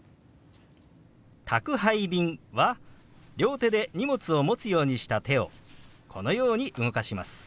「宅配便」は両手で荷物を持つようにした手をこのように動かします。